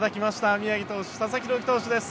宮城投手、佐々木朗希投手です。